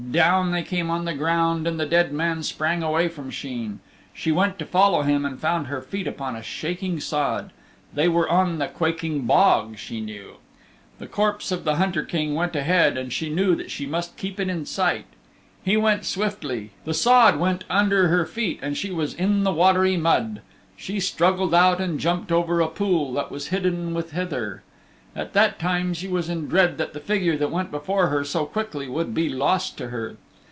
Down they came on the ground and the dead man sprang away from Sheen. She went to follow him and found her feet upon a shaking sod. They were on the Quaking Bog, she knew. The corpse of the Hunter King went ahead and she knew that she must keep it in sight. He went swiftly. The sod went under her feet and she was in the watery mud. She struggled out and jumped over a pool that was hidden with heather. All the time she was in dread that the figure that went before her so quickly would be lost to her.